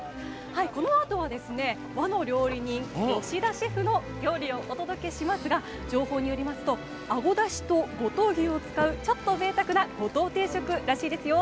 このあとは、和の料理人吉田シェフの料理をお届けしますが情報によりますとあごだしと五島牛を使うちょっとぜいたくな五島定食らしいですよ。